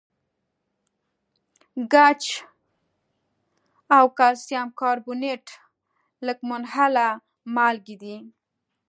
ګچ او کلسیم کاربونیټ لږ منحله مالګې دي.